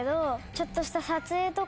ちょっとした。